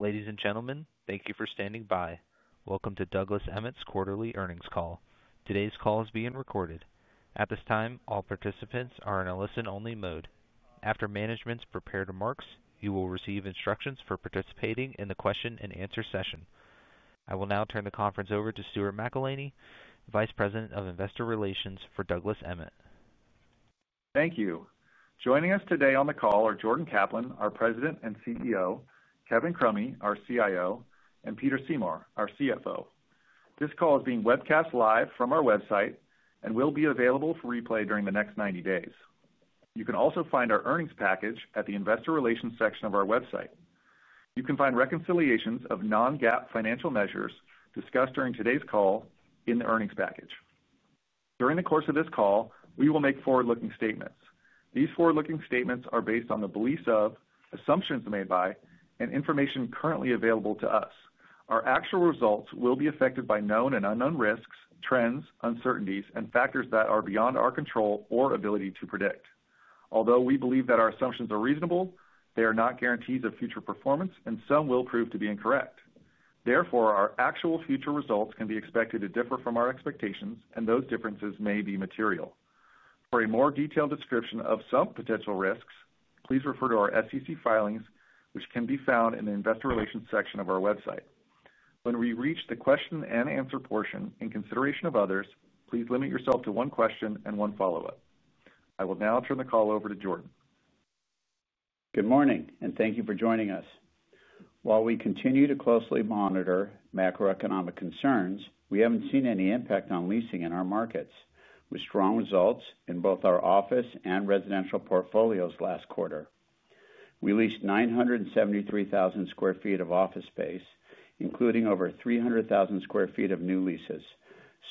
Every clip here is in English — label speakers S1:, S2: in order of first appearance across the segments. S1: Ladies and gentlemen, thank you for standing by. Welcome to Douglas Emmett's Quarterly Earnings Call. Today's call is being recorded. At this time, all participants are in a listen-only mode. After management's prepared remarks, you will receive instructions for participating in the question-and-answer session. I will now turn the conference over to Stuart McElhinney, Vice President of Investor Relations for Douglas Emmett.
S2: Thank you. Joining us today on the call are Jordan Kaplan, our President and CEO, Kevin Crummy, our CIO, and Peter Seymour, our CFO. This call is being webcast live from our website and will be available for replay during the next 90 days. You can also find our earnings package at the Investor Relations section of our website. You can find reconciliations of non-GAAP financial measures discussed during today's call in the earnings package. During the course of this call, we will make forward-looking statements. These forward-looking statements are based on the beliefs of, assumptions made by, and information currently available to us. Our actual results will be affected by known and unknown risks, trends, uncertainties, and factors that are beyond our control or ability to predict. Although we believe that our assumptions are reasonable, they are not guarantees of future performance, and some will prove to be incorrect. Therefore, our actual future results can be expected to differ from our expectations, and those differences may be material. For a more detailed description of some potential risks, please refer to our SEC filings, which can be found in the Investor Relations section of our website. When we reach the question and answer portion, in consideration of others, please limit yourself to one question and one follow-up. I will now turn the call over to Jordan.
S3: Good morning, and thank you for joining us. While we continue to closely monitor macroeconomic concerns, we haven't seen any impact on leasing in our markets, with strong results in both our office and residential portfolios last quarter. We leased 973,000 sq ft of office space, including over 300,000 sq ft of new leases,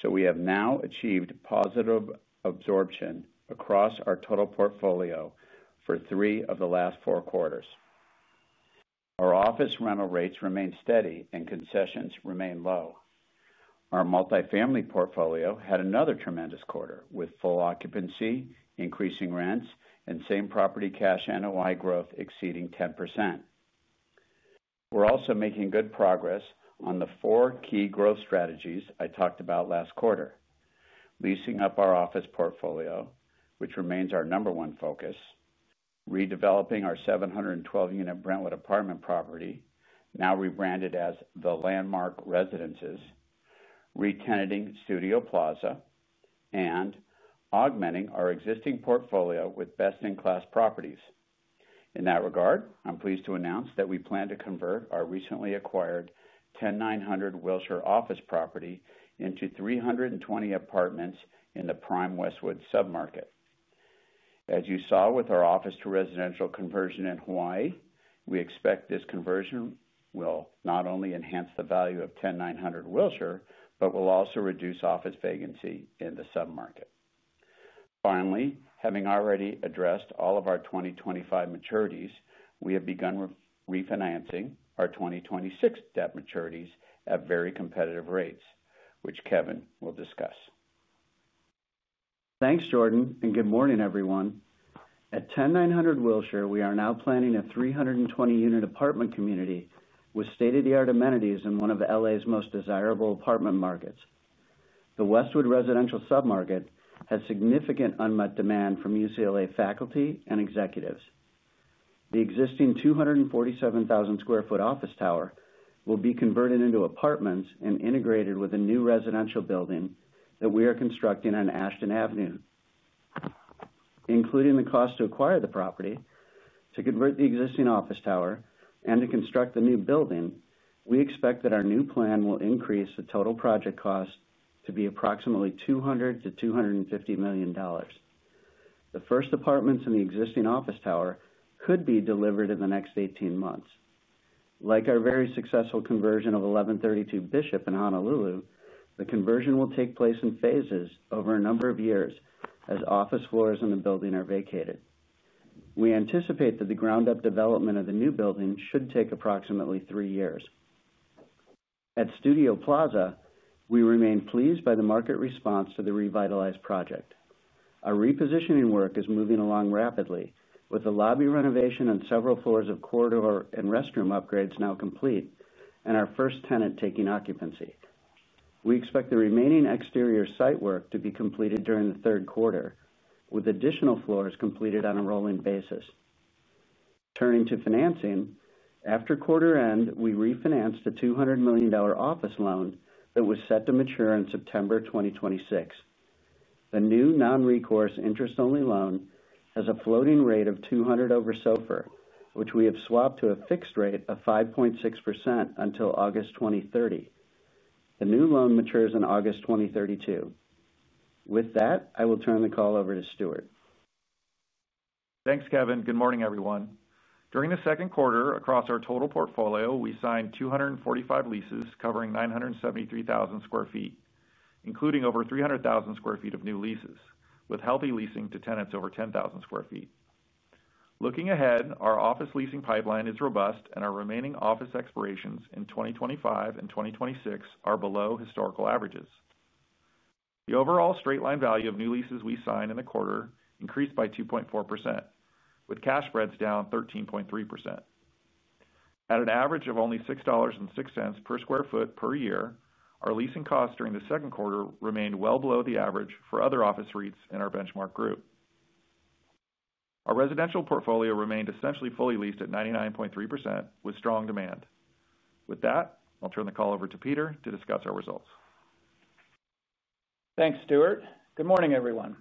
S3: so we have now achieved positive absorption across our total portfolio for three of the last four quarters. Our office rental rates remain steady, and concessions remain low. Our multifamily portfolio had another tremendous quarter, with full occupancy, increasing rents, and same property cash NOI growth exceeding 10%. We're also making good progress on the four key growth strategies I talked about last quarter: leasing up our office portfolio, which remains our number one focus, redeveloping our 712-unit Brentwood apartment property, now rebranded as The Landmark Residences, re-tenanting Studio Plaza, and augmenting our existing portfolio with best-in-class properties. In that regard, I'm pleased to announce that we plan to convert our recently acquired 10,900 Wilshire office property into 320 apartments in the prime Westwood submarket. As you saw with our office-to-residential conversion in Hawaii, we expect this conversion will not only enhance the value of 10,900 Wilshire, but will also reduce office vacancy in the submarket. Finally, having already addressed all of our 2025 maturities, we have begun refinancing our 2026 debt maturities at very competitive rates, which Kevin will discuss.
S4: Thanks, Jordan, and good morning, everyone. At 10,900 Wilshire, we are now planning a 320-unit apartment community with state-of-the-art amenities in one of LA's most desirable apartment markets. The Westwood residential submarket has significant unmet demand from UCLA faculty and executives. The existing 247,000 sq ft office tower will be converted into apartments and integrated with a new residential building that we are constructing on Ashton Avenue. Including the cost to acquire the property, to convert the existing office tower, and to construct the new building, we expect that our new plan will increase the total project cost to be approximately $200 million-$250 million. The first apartments in the existing office tower could be delivered in the next 18 months. Like our very successful conversion of 1132 Bishop in Honolulu, the conversion will take place in phases over a number of years as office floors in the building are vacated. We anticipate that the ground-up development of the new building should take approximately three years. At Studio Plaza, we remain pleased by the market response to the revitalized project. Our repositioning work is moving along rapidly, with the lobby renovation and several floors of corridor and restroom upgrades now complete, and our first tenant taking occupancy. We expect the remaining exterior site work to be completed during the third quarter, with additional floors completed on a rolling basis. Turning to financing, after quarter end, we refinanced a $200 million office loan that was set to mature in September 2026. A new non-recourse interest-only loan has a floating rate of 200 over SOFR, which we have swapped to a fixed rate of 5.6% until August 2030. The new loan matures in August 2032. With that, I will turn the call over to Stuart.
S2: Thanks, Kevin. Good morning, everyone. During the second quarter, across our total portfolio, we signed 245 leases covering 973,000 sq ft, including over 300,000 sq ft of new leases, with healthy leasing to tenants over 10,000 sq ft. Looking ahead, our office leasing pipeline is robust, and our remaining office expirations in 2025 and 2026 are below historical averages. The overall straight-line value of new leases we signed in the quarter increased by 2.4%, with cash spreads down 13.3%. At an average of only $6.06 per sq ft per year, our leasing costs during the second quarter remained well below the average for other office REITs in our benchmark group. Our residential portfolio remained essentially fully leased at 99.3%, with strong demand. With that, I'll turn the call over to Peter to discuss our results.
S5: Thanks, Stuart. Good morning, everyone.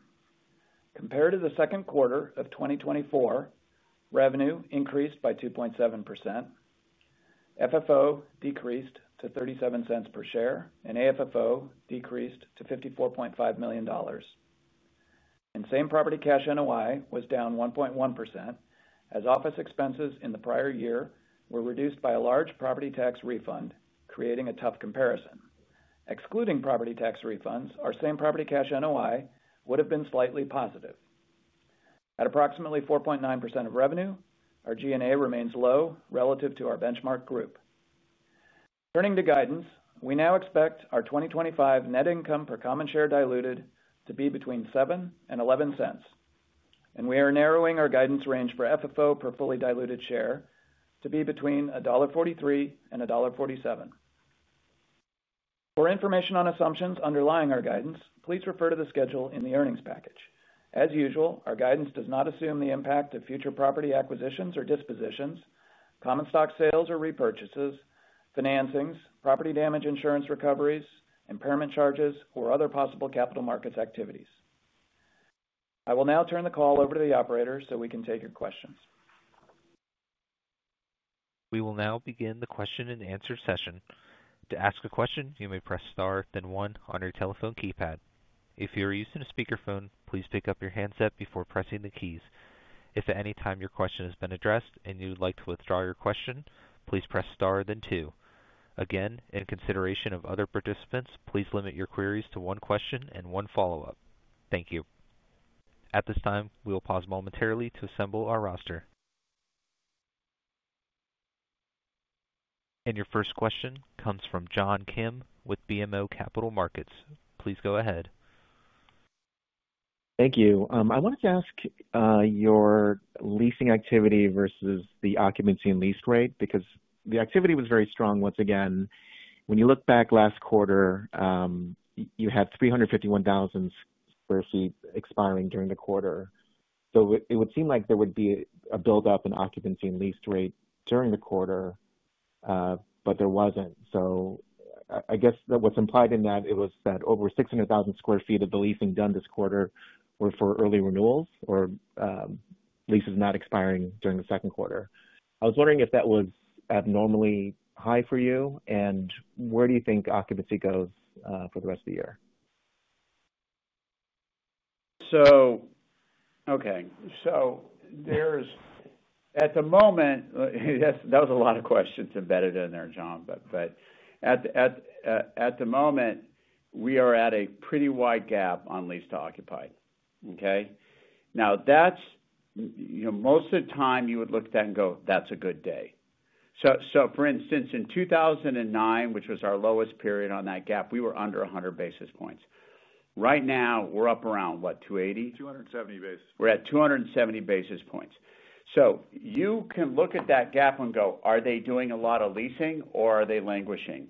S5: Compared to the second quarter of 2024, revenue increased by 2.7%, FFO decreased to $0.37 per share, and AFFO decreased to $54.5 million. Same property cash NOI was down 1.1%, as office expenses in the prior year were reduced by a large property tax refund, creating a tough comparison. Excluding property tax refunds, our same property cash NOI would have been slightly positive. At approximately 4.9% of revenue, our G&A remains low relative to our benchmark group. Turning to guidance, we now expect our 2025 net income per common share diluted to be between $0.07 and $0.11, and we are narrowing our guidance range for FFO per fully diluted share to be between $1.43 and $1.47. For information on assumptions underlying our guidance, please refer to the schedule in the earnings package. As usual, our guidance does not assume the impact of future property acquisitions or dispositions, common stock sales or repurchases, financings, property damage insurance recoveries, impairment charges, or other possible capital markets activities. I will now turn the call over to the operator so we can take your questions.
S1: We will now begin the question-and-answer session. To ask a question, you may press star, then one, on your telephone keypad. If you are using a speakerphone, please pick up your handset before pressing the keys. If at any time your question has been addressed and you would like to withdraw your question, please press star, then two. Again, in consideration of other participants, please limit your queries to one question and one follow-up. Thank you. At this time, we will pause momentarily to assemble our roster. Your first question comes from John Kim with BMO Capital Markets. Please go ahead.
S6: Thank you. I wanted to ask, your leasing activity versus the occupancy and lease rate because the activity was very strong once again. When you look back last quarter, you had 351,000 sq ft expiring during the quarter. It would seem like there would be a buildup in occupancy and lease rate during the quarter, but there wasn't. I guess that what's implied in that is that over 600,000 sq ft of the leasing done this quarter were for early renewals or leases not expiring during the second quarter. I was wondering if that was abnormally high for you, and where do you think occupancy goes for the rest of the year?
S3: Okay. At the moment, that was a lot of questions embedded in there, John, but at the moment, we are at a pretty wide gap on leased to occupied. Now, that's, you know, most of the time you would look at that and go, that's a good day. For instance, in 2009, which was our lowest period on that gap, we were under 100 basis points. Right now, we're up around what, 280?
S2: 270 basis.
S3: We're at 270 basis points. You can look at that gap and go, are they doing a lot of leasing or are they languishing?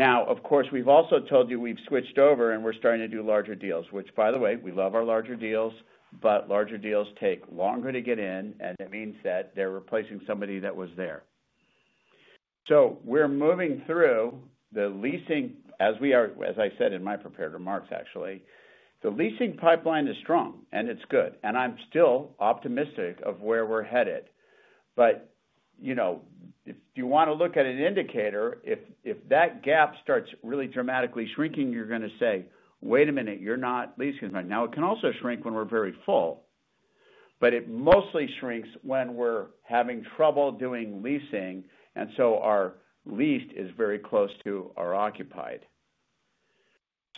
S3: Of course, we've also told you we've switched over and we're starting to do larger deals, which, by the way, we love our larger deals, but larger deals take longer to get in, and it means that they're replacing somebody that was there. We're moving through the leasing, as I said in my prepared remarks, actually, the leasing pipeline is strong and it's good. I'm still optimistic of where we're headed. If you want to look at an indicator, if that gap starts really dramatically shrinking, you're going to say, wait a minute, you're not leasing as much. It can also shrink when we're very full. It mostly shrinks when we're having trouble doing leasing, and so our leased is very close to our occupied.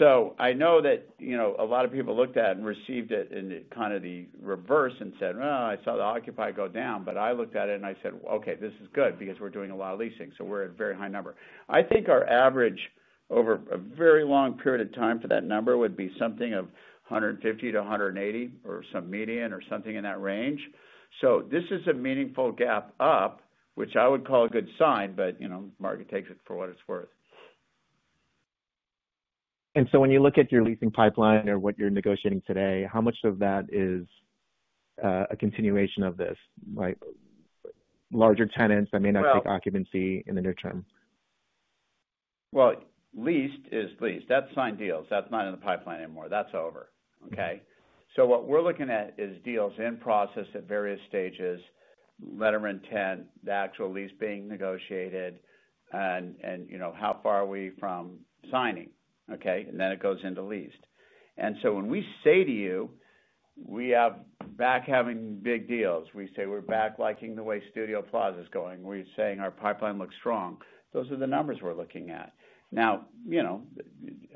S3: I know that a lot of people looked at it and received it in kind of the reverse and said, I saw the occupied go down, but I looked at it and I said, okay, this is good because we're doing a lot of leasing, so we're at a very high number. I think our average over a very long period of time for that number would be something of 150-180 or some median or something in that range. This is a meaningful gap up, which I would call a good sign, but the market takes it for what it's worth.
S6: When you look at your leasing pipeline or what you're negotiating today, how much of that is a continuation of this, right? Larger tenants that may not take occupancy in the near term?
S3: Leased is leased. That's signed deals. That's not in the pipeline anymore. That's over. Okay? What we're looking at is deals in process at various stages, letter of intent, the actual lease being negotiated, and, you know, how far are we from signing? Okay? Then it goes into leased. When we say to you, we are back having big deals, we say we're back liking the way Studio Plaza is going, we're saying our pipeline looks strong, those are the numbers we're looking at. You know,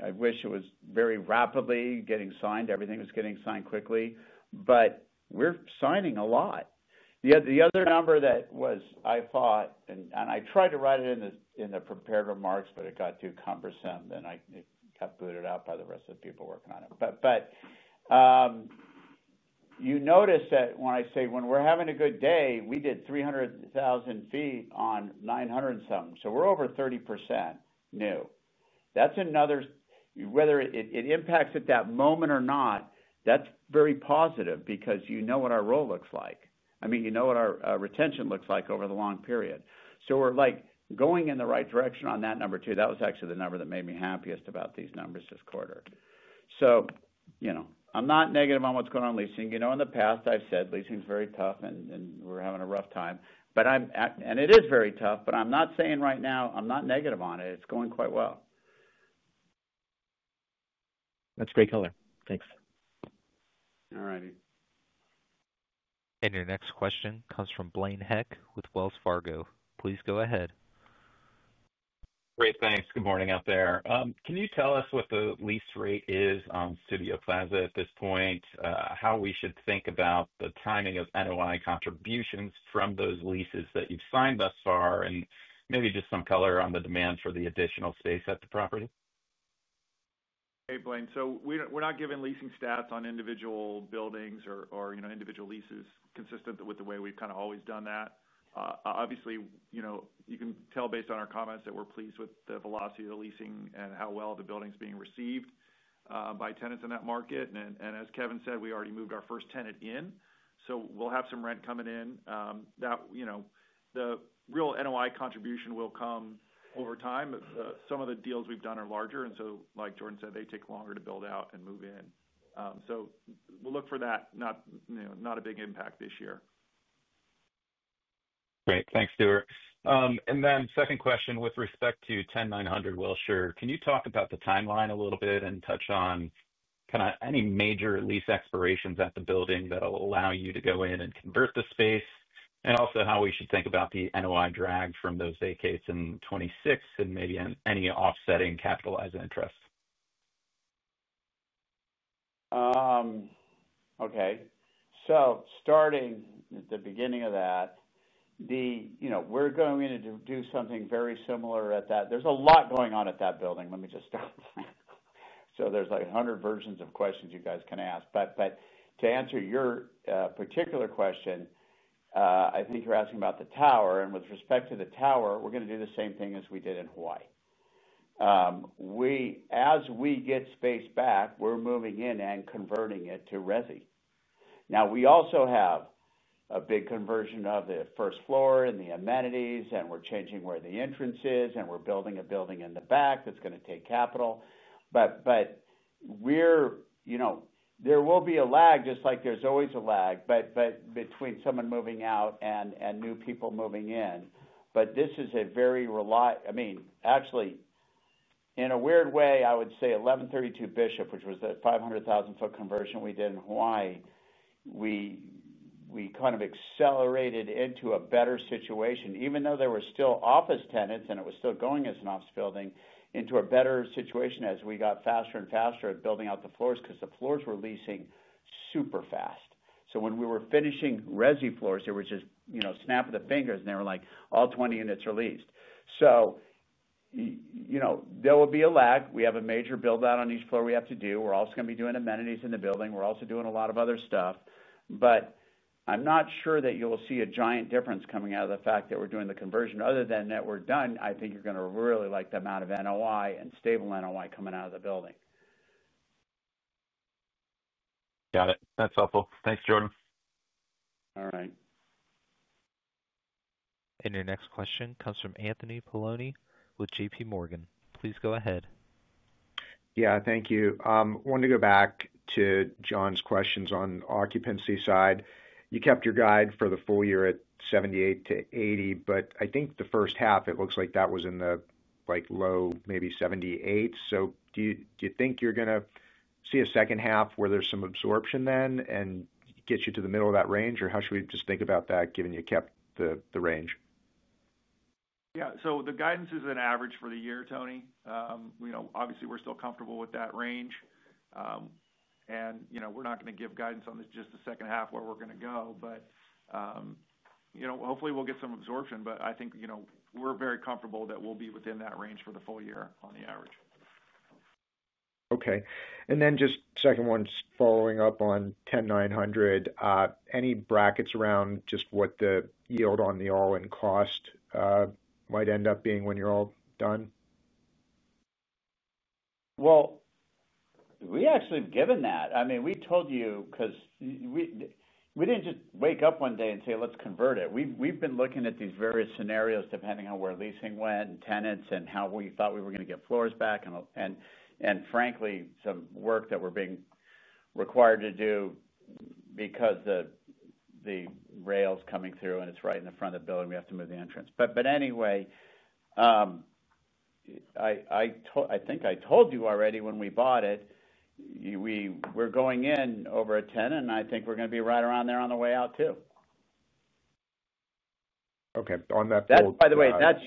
S3: I wish it was very rapidly getting signed, everything was getting signed quickly, but we're signing a lot. The other number that was, I thought, and I tried to write it in the prepared remarks, but it got too cumbersome, then I got booted out by the rest of the people working on it. You notice that when I say when we're having a good day, we did 300,000 ft on 900 and something, so we're over 30% new. That's another, whether it impacts at that moment or not, that's very positive because you know what our roll looks like. I mean, you know what our retention looks like over the long period. We're going in the right direction on that number too. That was actually the number that made me happiest about these numbers this quarter. You know, I'm not negative on what's going on leasing. In the past, I've said leasing is very tough and we're having a rough time, and it is very tough, but I'm not saying right now, I'm not negative on it. It's going quite well.
S6: That's great color. Thanks.
S3: All righty.
S1: Your next question comes from Blaine Heck with Wells Fargo. Please go ahead.
S7: Great, thanks. Good morning out there. Can you tell us what the lease rate is on Studio Plaza at this point? How should we think about the timing of NOI contributions from those leases that you've signed thus far, and maybe just some color on the demand for the additional space at the property?
S2: Hey, Blaine. We're not giving leasing stats on individual buildings or individual leases, consistent with the way we've kind of always done that. Obviously, you can tell based on our comments that we're pleased with the velocity of the leasing and how well the building's being received by tenants in that market. As Kevin said, we already moved our first tenant in, so we'll have some rent coming in. The real NOI contribution will come over time. Some of the deals we've done are larger, and like Jordan said, they take longer to build out and move in. We'll look for that, not a big impact this year.
S7: Great, thanks, Stuart. Then second question with respect to 10,900 Wilshire. Can you talk about the timeline a little bit and touch on kind of any major lease expirations at the building that'll allow you to go in and convert the space? Also, how we should think about the NOI drag from those vacates in 2026 and maybe any offsetting capitalized interest?
S3: Okay. Starting at the beginning of that, we're going in and do something very similar at that. There's a lot going on at that building. Let me just stop. There's like a hundred versions of questions you guys can ask. To answer your particular question, I think you're asking about the tower. With respect to the tower, we're going to do the same thing as we did in Hawaii. As we get space back, we're moving in and converting it to resi. We also have a big conversion of the first floor and the amenities, and we're changing where the entrance is, and we're building a building in the back that's going to take capital. There will be a lag, just like there's always a lag between someone moving out and new people moving in. This is a very reliable, I mean, actually, in a weird way, I would say 1132 Bishop, which was the 500,000-foot conversion we did in Hawaii, we kind of accelerated into a better situation, even though there were still office tenants and it was still going as an office building, into a better situation as we got faster and faster at building out the floors because the floors were leasing super fast. When we were finishing resi floors, it was just, you know, snap of the fingers, and they were like, all 20 units are leased. There will be a lag. We have a major build-out on each floor we have to do. We're also going to be doing amenities in the building. We're also doing a lot of other stuff. I'm not sure that you'll see a giant difference coming out of the fact that we're doing the conversion. Other than that we're done, I think you're going to really like the amount of NOI and stable NOI coming out of the building.
S7: Got it. That's helpful. Thanks, Jordan.
S3: All right.
S1: Your next question comes from Anthony Paolone with JPMorgan. Please go ahead.
S8: Thank you. I wanted to go back to John's questions on the occupancy side. You kept your guide for the full year at 78% to 80%, but I think the first half, it looks like that was in the low, maybe 78%. Do you think you're going to see a second half where there's some absorption then and get you to the middle of that range, or how should we just think about that given you kept the range?
S2: Yeah, the guidance is an average for the year, Tony. Obviously we're still comfortable with that range. We're not going to give guidance on just the second half where we're going to go, but hopefully we'll get some absorption. I think we're very comfortable that we'll be within that range for the full year on the average.
S8: Okay. Just second one, following up on 10,90, any brackets around just what the yield on the all-in cost might end up being when you're all done?
S3: Actually, we have given that. I mean, we told you because we didn't just wake up one day and say, let's convert it. We've been looking at these various scenarios depending on where leasing went and tenants and how we thought we were going to get floors back, and frankly, some work that we're being required to do because the rail's coming through and it's right in the front of the building. We have to move the entrance. Anyway, I think I told you already when we bought it, we were going in over a 10 and I think we're going to be right around there on the way out too.
S8: Okay, on that.
S3: That's, by the way, that's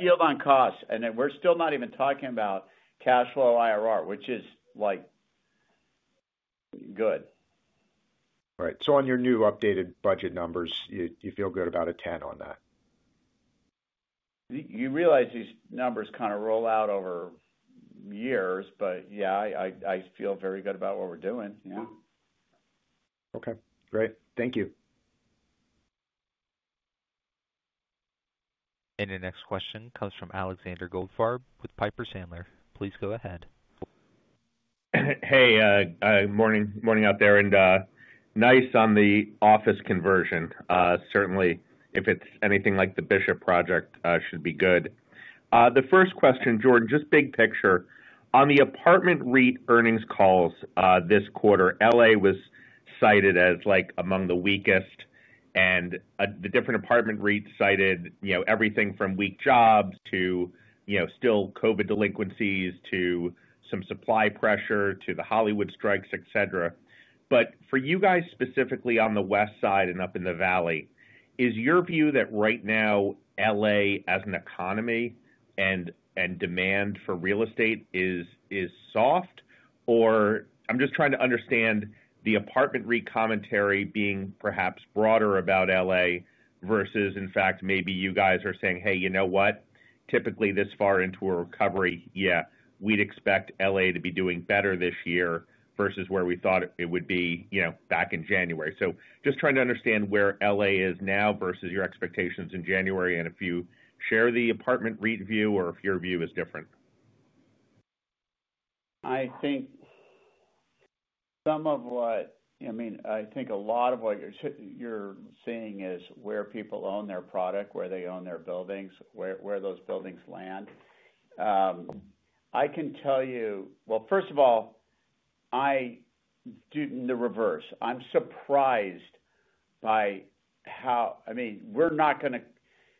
S3: yield on cost. We're still not even talking about cash flow IRR, which is like good.
S8: Right. On your new updated budget numbers, you feel good about a 10% on that?
S3: You realize these numbers kind of roll out over years, but yeah, I feel very good about what we're doing.
S8: Yeah. Okay, great. Thank you.
S1: Your next question comes from Alexander Goldfarb with Piper Sandler. Please go ahead.
S9: Hey, good morning. Morning out there. Nice on the office conversion. Certainly, if it's anything like the Bishop project, should be good. The first question, Jordan, just big picture. On the apartment REIT Earnings Calls this quarter, LA was cited as among the weakest, and the different apartment REITs cited everything from weak jobs to still COVID delinquencies to some supply pressure to the Hollywood strikes, etc. For you guys specifically on the Westside and up in the Valley, is your view that right now LA as an economy and demand for real estate is soft? I'm just trying to understand the apartment REIT commentary being perhaps broader about LA versus, in fact, maybe you guys are saying, hey, you know what? Typically, this far into a recovery, yeah, we'd expect LA to be doing better this year versus where we thought it would be back in January. Just trying to understand where LA is now versus your expectations in January, and if you share the apartment REIT view or if your view is different.
S3: I think some of what, I mean, I think a lot of what you're seeing is where people own their product, where they own their buildings, where those buildings land. I can tell you, first of all, I do the reverse. I'm surprised by how, I mean, we're not going to,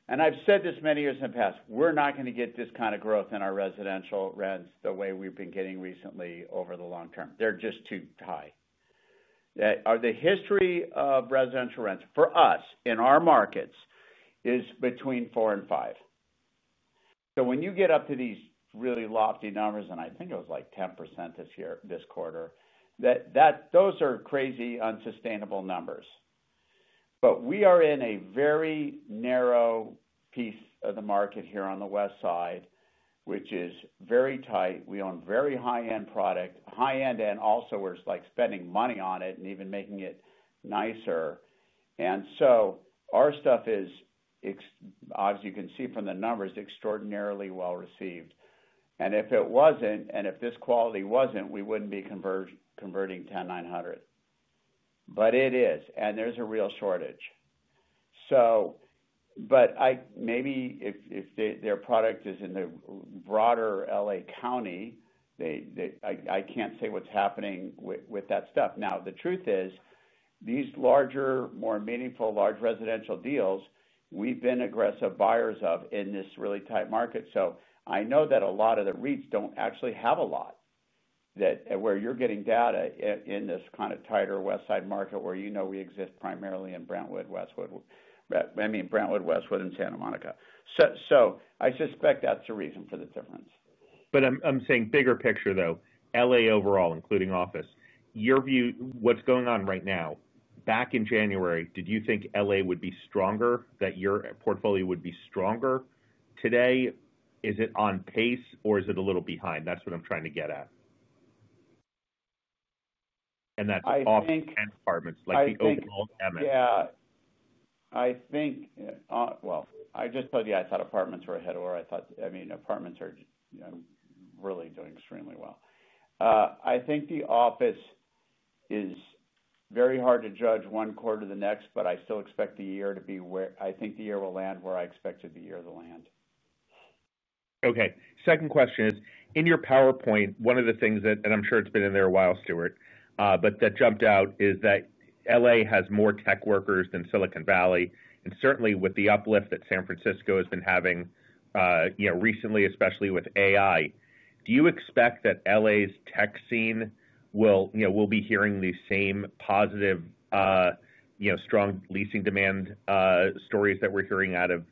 S3: and I've said this many years in the past, we're not going to get this kind of growth in our residential rents the way we've been getting recently over the long term. They're just too high. The history of residential rents for us in our markets is between 4% and 5%. When you get up to these really lofty numbers, and I think it was like 10% this year, this quarter, those are crazy unsustainable numbers. We are in a very narrow piece of the market here on the Westside, which is very tight. We own very high-end product, high-end, and also we're spending money on it and even making it nicer. Our stuff is, as you can see from the numbers, extraordinarily well received. If it wasn't, and if this quality wasn't, we wouldn't be converting 10,900. It is, and there's a real shortage. Maybe if their product is in the broader LA County, I can't say what's happening with that stuff. The truth is these larger, more meaningful, large residential deals, we've been aggressive buyers of in this really tight market. I know that a lot of the REITs don't actually have a lot where you're getting data in this kind of tighter Westside market where you know we exist primarily in Brentwood, Westwood, I mean Brentwood, Westwood, and Santa Monica. I suspect that's a reason for the difference.
S9: I'm saying bigger picture though, LA overall, including office, your view, what's going on right now. Back in January, did you think LA would be stronger, that your portfolio would be stronger? Today, is it on pace or is it a little behind? That's what I'm trying to get at. That's office and apartments, like the old Emmett.
S3: I think, I just told you I thought apartments were ahead of where I thought. I mean, apartments are, you know, really doing extremely well. I think the office is very hard to judge one quarter to the next, but I still expect the year to be where, I think the year will land where I expected the year to land.
S9: Okay. Second question is, in your PowerPoint, one of the things that, and I'm sure it's been in there a while, Stuart, but that jumped out is that LA has more tech workers than Silicon Valley. Certainly with the uplift that San Francisco has been having recently, especially with AI, do you expect that LA's tech scene will, you know, we'll be hearing the same positive, you know, strong leasing demand stories that we're hearing out of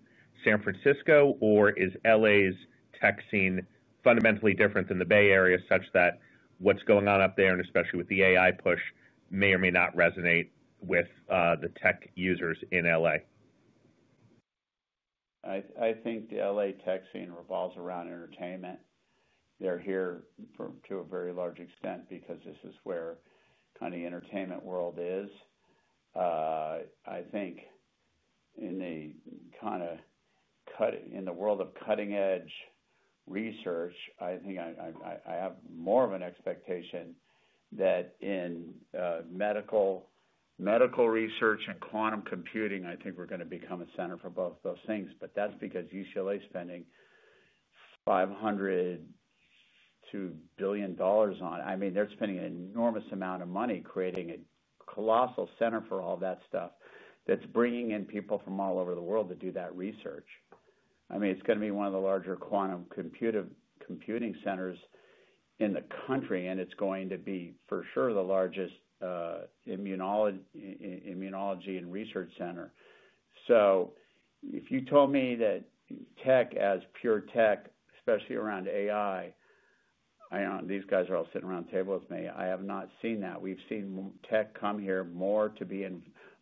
S9: San Francisco, or is LA's tech scene fundamentally different than the Bay Area such that what's going on up there, especially with the AI push, may or may not resonate with the tech users in LA?
S3: I think the LA tech scene revolves around entertainment. They're here to a very large extent because this is where kind of the entertainment world is. I think in the world of cutting-edge research, I have more of an expectation that in medical research and quantum computing, we're going to become a center for both of those things. That's because UCLA is spending $500 million-$1 billion, I mean, they're spending an enormous amount of money creating a colossal center for all that stuff that's bringing in people from all over the world to do that research. It's going to be one of the larger quantum computing centers in the country, and it's going to be for sure the largest immunology and research center. If you told me that tech as pure tech, especially around AI, I know these guys are all sitting around the table with me, I have not seen that. We've seen tech come here more to be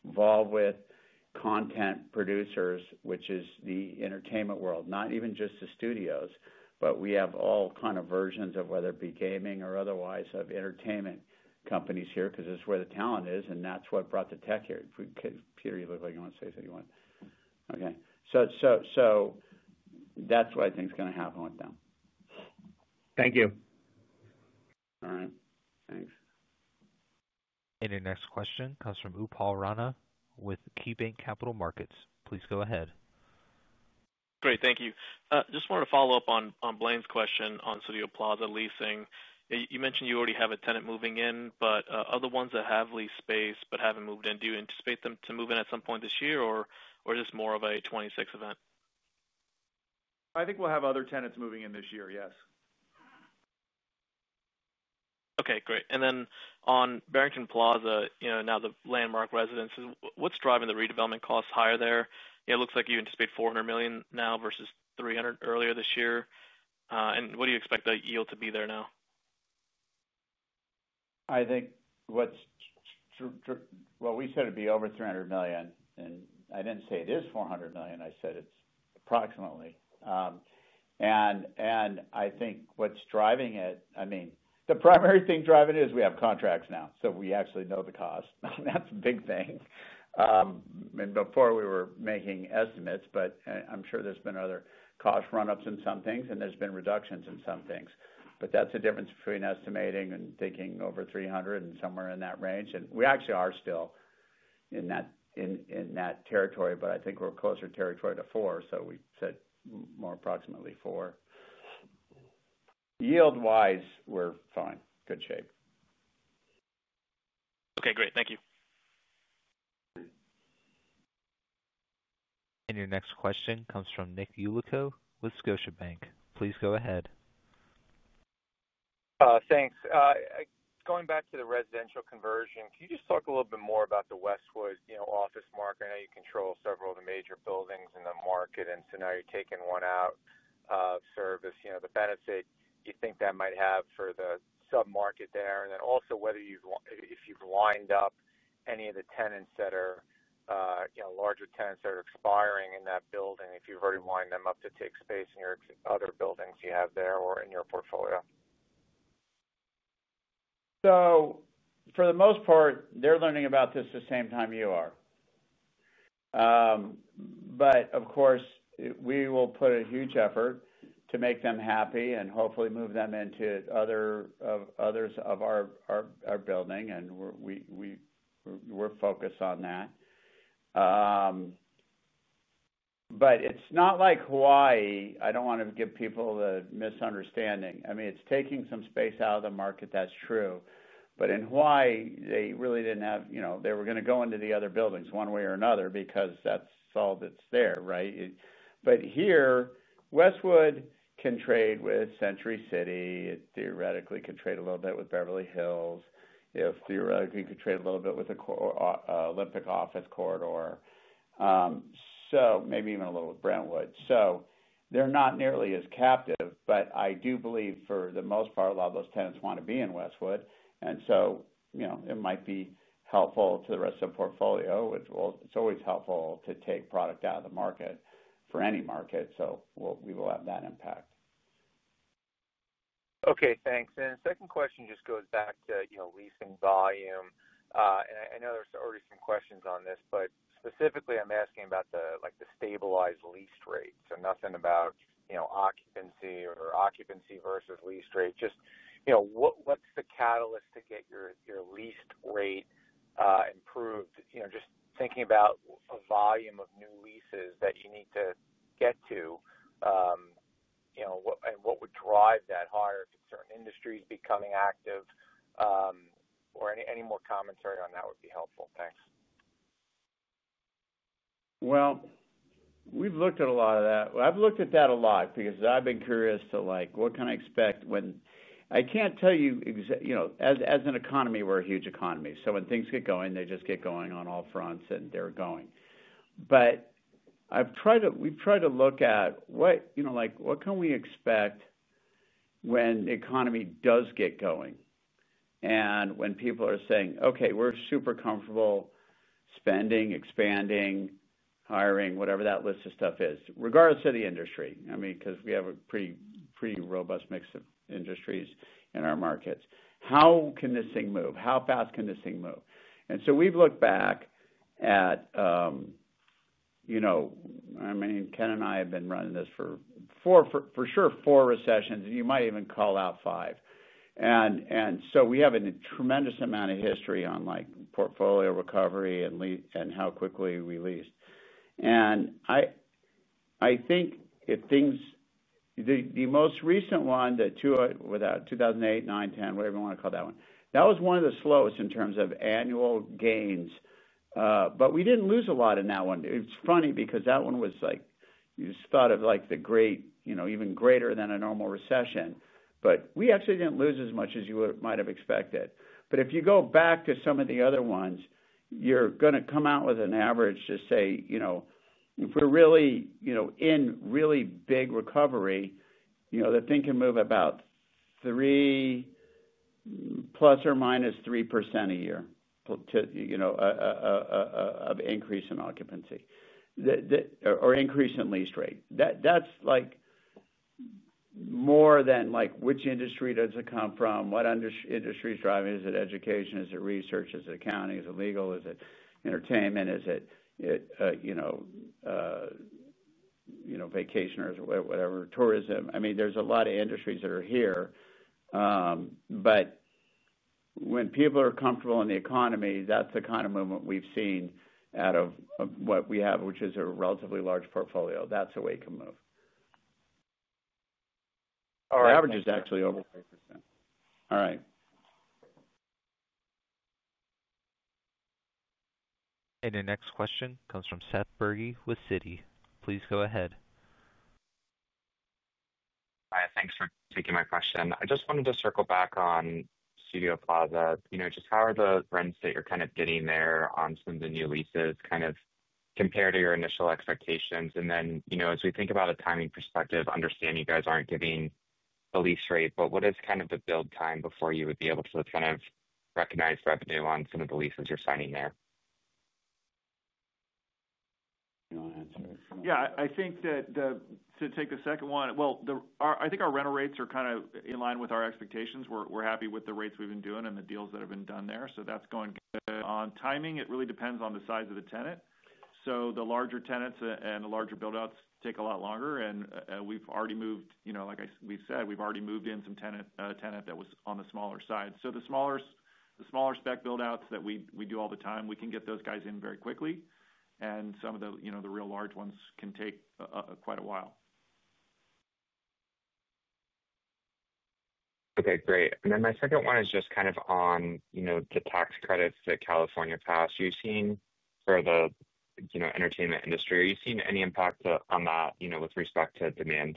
S3: involved with content producers, which is the entertainment world, not even just the studios, but we have all kinds of versions of whether it be gaming or otherwise of entertainment companies here because it's where the talent is, and that's what brought the tech here. Peter, you look like you want to say something. Okay. That's what I think is going to happen with them.
S9: Thank you.
S3: All right, thanks.
S1: Your next question comes from Upal Rana with KeyBanc Capital Markets. Please go ahead.
S10: Great, thank you. Just wanted to follow up on Blaine's question on Studio Plaza leasing. You mentioned you already have a tenant moving in, but other ones that have leased space but haven't moved in, do you anticipate them to move in at some point this year, or is this more of a 2026 event? I think we'll have other tenants moving in this year, yes. Okay, great. On Barrington Plaza, now The Landmark Residences, what's driving the redevelopment costs higher there? It looks like you anticipate $400 million now versus $300 million earlier this year. What do you expect the yield to be there now?
S3: I think what's, we said it'd be over $300 million, and I didn't say it is $400 million, I said it's approximately. I think what's driving it, the primary thing driving it is we have contracts now, so we actually know the cost. That's a big thing. Before we were making estimates, but I'm sure there's been other cost run-ups in some things, and there's been reductions in some things. That's the difference between estimating and thinking over $300 million and somewhere in that range. We actually are still in that territory, but I think we're closer to the territory to $400 million, so we said more approximately $400 million. Yield-wise, we're fine, good shape.
S10: Okay, great. Thank you.
S1: Your next question comes from Nick Yulico with Scotiabank. Please go ahead.
S11: Thanks. Going back to the residential conversion, can you just talk a little bit more about the Westwood office market? I know you control several of the major buildings in the market, and now you're taking one out of service, the benefit you think that might have for the submarket there. Also, whether you've lined up any of the tenants that are larger tenants that are expiring in that building, if you've already lined them up to take space in your other buildings you have there or in your portfolio.
S3: For the most part, they're learning about this at the same time you are. Of course, we will put a huge effort to make them happy and hopefully move them into others of our buildings, and we're focused on that. It's not like Hawaii. I don't want to give people the misunderstanding. I mean, it's taking some space out of the market, that's true. In Hawaii, they really didn't have, you know, they were going to go into the other buildings one way or another because that's all that's there, right? Here, Westwood can trade with Century City. It theoretically could trade a little bit with Beverly Hills. It theoretically could trade a little bit with the Olympic office corridor, maybe even a little with Brentwood. They're not nearly as captive, but I do believe for the most part, a lot of those tenants want to be in Westwood. It might be helpful to the rest of the portfolio. It's always helpful to take product out of the market for any market. We will have that impact.
S11: Okay, thanks. The second question just goes back to leasing volume. I know there's already some questions on this, but specifically, I'm asking about the stabilized lease rate. Nothing about occupancy or occupancy versus lease rate. Just what's the catalyst to get your lease rate improved? Just thinking about a volume of new leases that you need to get to. What would drive that higher? Could certain industries be becoming active? Any more commentary on that would be helpful. Thanks.
S3: I've looked at a lot of that because I've been curious to like what can I expect when I can't tell you exactly, you know, as an economy, we're a huge economy. When things get going, they just get going on all fronts and they're going. I've tried to, we've tried to look at what, you know, like what can we expect when the economy does get going? When people are saying, okay, we're super comfortable spending, expanding, hiring, whatever that list of stuff is, regardless of the industry. I mean, because we have a pretty, pretty robust mix of industries in our markets. How can this thing move? How fast can this thing move? We've looked back at, you know, I mean, Ken and I have been running this for four, for sure, four recessions, and you might even call out five. We have a tremendous amount of history on like portfolio recovery and how quickly we lease. I think if things, the most recent one that, without 2008, 2009, 2010, whatever you want to call that one, that was one of the slowest in terms of annual gains. We didn't lose a lot in that one. It's funny because that one was like, you just thought of like the great, you know, even greater than a normal recession. We actually didn't lose as much as you might have expected. If you go back to some of the other ones, you're going to come out with an average to say, you know, if we're really, you know, in really big recovery, you know, the thing can move about 3% plus or minus 3% a year, you know, of increase in occupancy or increase in lease rate. That's like more than like which industry does it come from? What industry is driving? Is it education? Is it research? Is it accounting? Is it legal? Is it entertainment? Is it, you know, vacationers or whatever, tourism? I mean, there's a lot of industries that are here. When people are comfortable in the economy, that's the kind of movement we've seen out of what we have, which is a relatively large portfolio. That's the way it can move. The average is actually over 3%. All right.
S1: The next question comes from Seth Bergey with Citi. Please go ahead.
S12: Hi, thanks for taking my question. I just wanted to circle back on Studio Plaza. How are the rents that you're kind of getting there on some of the new leases compared to your initial expectations? As we think about a timing perspective, I understand you guys aren't getting a lease rate, but what is the build time before you would be able to recognize revenue on some of the leases you're signing there?
S3: You want to answer it?
S2: Yeah, I think that to take the second one, I think our rental rates are kind of in line with our expectations. We're happy with the rates we've been doing and the deals that have been done there. That's going good. On timing, it really depends on the size of the tenant. The larger tenants and the larger build-outs take a lot longer. We've already moved, like we said, we've already moved in some tenant that was on the smaller side. The smaller spec build-outs that we do all the time, we can get those guys in very quickly. Some of the real large ones can take quite a while.
S12: Okay, great. My second one is just kind of on the tax credits that California passed. You've seen for the entertainment industry, are you seeing any impact on that with respect to demand?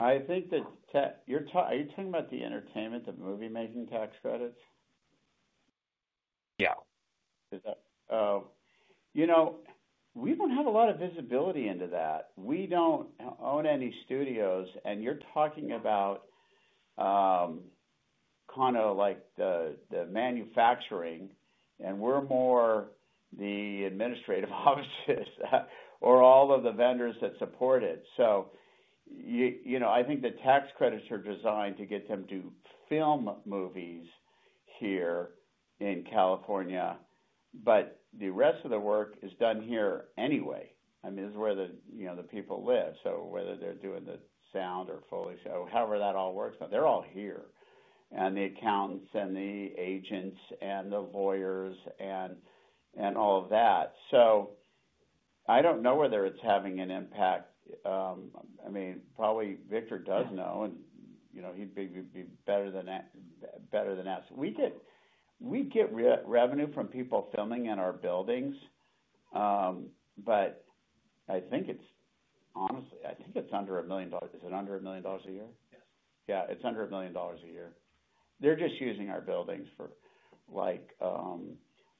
S3: I think that you're talking about the entertainment, the movie-making tax credits?
S12: Yeah.
S3: We don't have a lot of visibility into that. We don't own any studios, and you're talking about kind of like the manufacturing, and we're more the administrative offices or all of the vendors that support it. I think the tax credits are designed to get them to film movies here in California, but the rest of the work is done here anyway. This is where the people live. Whether they're doing the sound or fully show, however that all works, they're all here. The accountants and the agents and the lawyers and all of that. I don't know whether it's having an impact. Probably Victor does know, and he'd be better than that. We get revenue from people filming in our buildings, but honestly, I think it's under $1 million. Is it under $1 million a year?
S12: Yes.
S3: Yeah, it's under $1 million a year. They're just using our buildings for like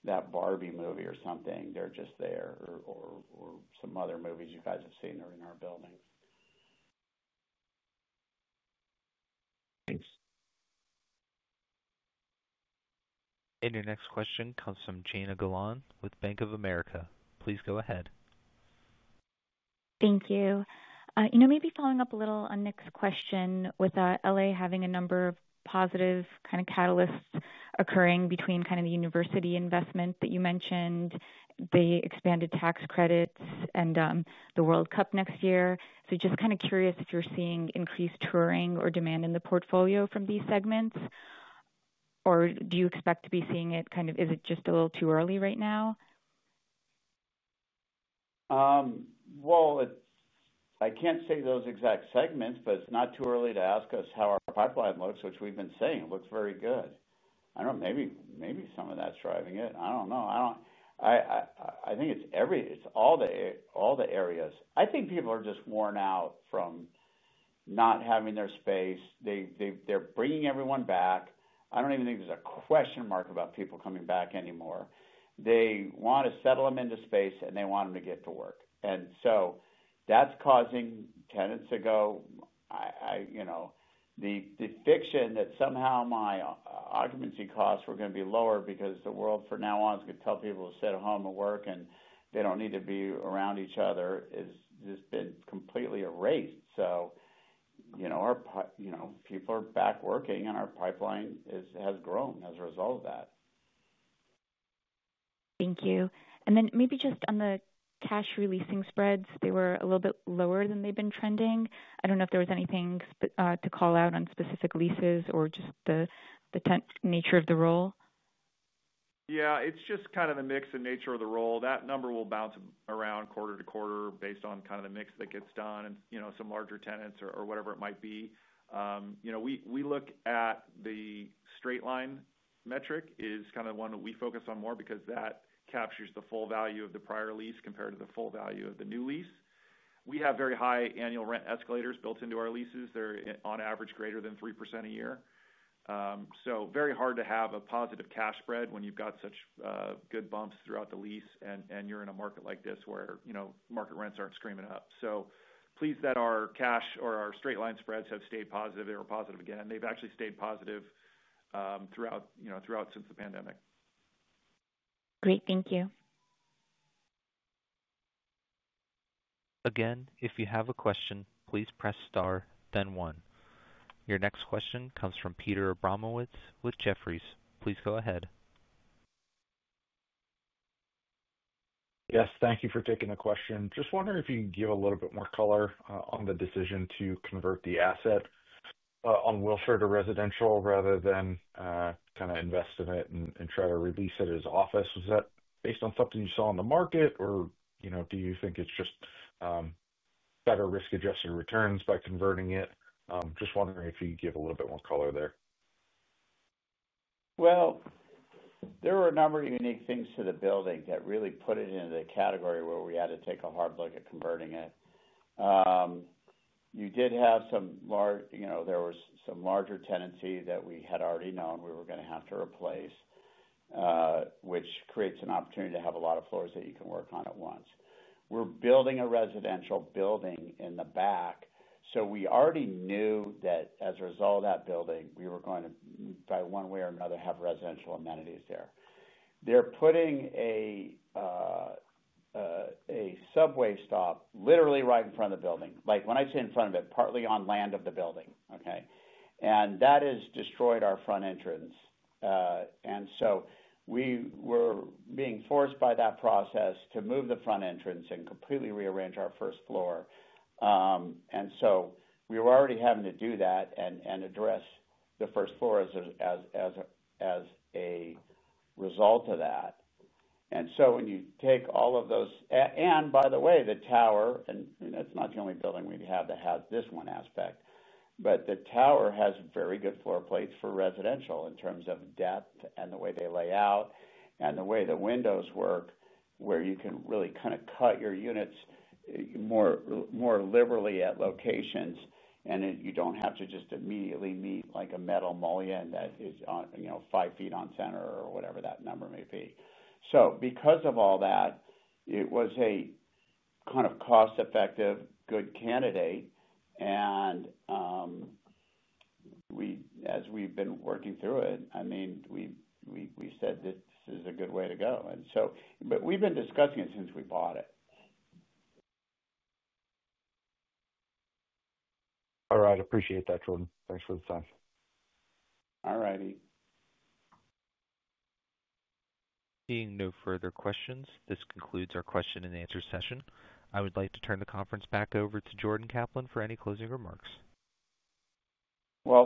S3: that Barbie movie or something. They're just there or some other movies you guys have seen are in our buildings.
S12: Thanks.
S1: Your next question comes from Jana Galan with Bank of America. Please go ahead.
S13: Thank you. Maybe following up a little on Nick's question with LA having a number of positive kind of catalysts occurring between the university investment that you mentioned, the expanded tax credits, and the World Cup next year. Just kind of curious if you're seeing increased touring or demand in the portfolio from these segments, or do you expect to be seeing it, is it just a little too early right now?
S3: I can't say those exact segments, but it's not too early to ask us how our pipeline looks, which we've been saying looks very good. Maybe some of that's driving it. I think it's all the areas. I think people are just worn out from not having their space. They're bringing everyone back. I don't even think there's a question mark about people coming back anymore. They want to settle them into space and they want them to get to work. That's causing tenants to go, the fiction that somehow my occupancy costs were going to be lower because the world from now on is going to tell people to sit at home and work and they don't need to be around each other has just been completely erased. People are back working and our pipeline has grown as a result of that.
S13: Thank you. Maybe just on the cash releasing spreads, they were a little bit lower than they've been trending. I don't know if there was anything to call out on specific leases or just the nature of the roll.
S2: Yeah, it's just kind of the mix and nature of the roll. That number will bounce around quarter to quarter based on kind of the mix that gets done and, you know, some larger tenants or whatever it might be. We look at the straight line metric as kind of the one that we focus on more because that captures the full value of the prior lease compared to the full value of the new lease. We have very high annual rent escalators built into our leases. They're on average greater than 3% a year. It's very hard to have a positive cash spread when you've got such good bumps throughout the lease and you're in a market like this where, you know, market rents aren't screaming up. Pleased that our cash or our straight line spreads have stayed positive. They were positive again. They've actually stayed positive throughout, you know, throughout since the pandemic.
S13: Great, thank you.
S1: Again, if you have a question, please press star, then one. Your next question comes from Peter Abramowitz with Jefferies. Please go ahead.
S14: Yes, thank you for taking the question. Just wondering if you can give a little bit more color on the decision to convert the asset on Wilshire to residential rather than invest in it and try to release it as office. Was that based on something you saw in the market, or do you think it's just better risk-adjusting returns by converting it? Just wondering if you could give a little bit more color there.
S3: There were a number of unique things to the building that really put it into the category where we had to take a hard look at converting it. You did have some large, you know, there was some larger tenancy that we had already known we were going to have to replace, which creates an opportunity to have a lot of floors that you can work on at once. We're building a residential building in the back, so we already knew that as a result of that building, we were going to, by one way or another, have residential amenities there. They're putting a subway stop literally right in front of the building. When I say in front of it, partly on land of the building, that has destroyed our front entrance. We were being forced by that process to move the front entrance and completely rearrange our first floor. We were already having to do that and address the first floor as a result of that. When you take all of those, and by the way, the tower, and it's not the only building we'd have that had this one aspect, but the tower has very good floor plates for residential in terms of depth and the way they lay out and the way the windows work, where you can really kind of cut your units more liberally at locations, and you don't have to just immediately meet like a metal mullion that is, you know, five ft on center or whatever that number may be. Because of all that, it was a kind of cost-effective, good candidate. As we've been working through it, I mean, we said this is a good way to go. We've been discussing it since we bought it.
S14: All right, I appreciate that, Jordan. Thanks for the time.
S3: All righty.
S1: Seeing no further questions, this concludes our question and answer session. I would like to turn the conference back over to Jordan Kaplan for any closing remarks.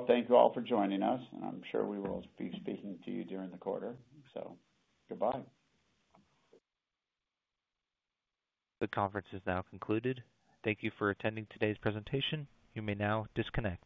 S3: Thank you all for joining us, and I'm sure we will be speaking to you during the quarter. Goodbye.
S1: The conference is now concluded. Thank you for attending today's presentation. You may now disconnect.